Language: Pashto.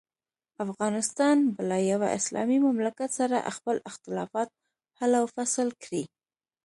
افغانستان به له یوه اسلامي مملکت سره خپل اختلافات حل او فصل کړي.